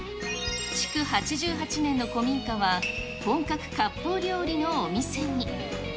築８８年の古民家は、本格かっぽう料理のお店に。